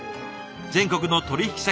全国の取引先